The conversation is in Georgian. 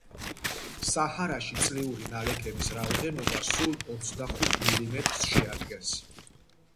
საჰარაში წლიური ნალექის რაოდენობა სულ ოცდახუთ მილიმეტრს შეადგენს.